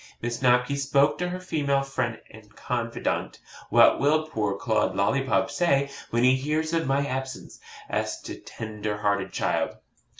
Miss Snobky spoke to her female friend and confidante. 'What will poor Claude Lollipop say when he hears of my absence?' asked the tender hearted child.